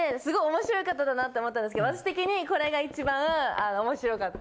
面白い方だなって思ったんですけど私的にこれが一番面白かったです。